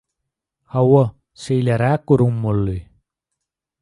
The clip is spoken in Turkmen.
Hawa, şeýleräk gürrüň boldy.